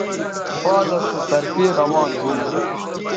پالس سو طرفے روان ھون